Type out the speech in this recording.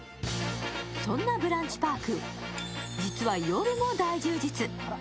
そんなブランチパーク、実は、夜も大充実。